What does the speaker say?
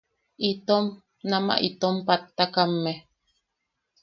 Itom nama itom pattakamme.